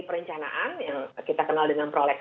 perencanaan yang kita kenal dengan proleg